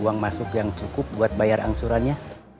uang masuk yang cukup buat bayar angsurannya